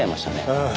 ああ。